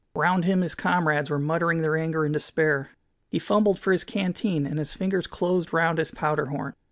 Round him his comrades were muttering their anger and despair. He fumbled for his canteen, and his fingers closed round his powder horn.